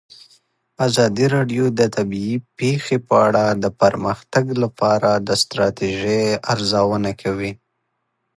ازادي راډیو د طبیعي پېښې په اړه د پرمختګ لپاره د ستراتیژۍ ارزونه کړې.